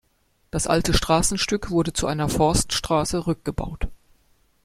Das alte Straßenstück wurde zu einer Forststraße rückgebaut.